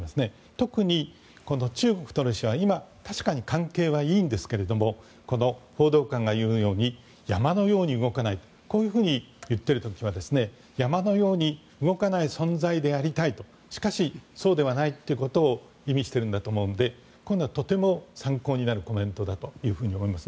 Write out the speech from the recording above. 特に中国とロシアは今、確かに関係はいいんですが報道官が言うように山のように動かないこういうふうに言っている時は山のように動かない存在でありたいとしかしそうではないということを意味しているんだと思うのでこういうのはとても参考になるコメントだと思います。